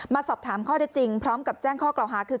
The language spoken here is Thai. มาสอบถามข้อจริงพร้อมกับแจ้งข้อเกลาฮาคือ